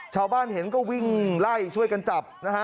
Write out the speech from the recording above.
ชาวบ้านเห็นก็วิ่งไล่ช่วยกันจับนะฮะ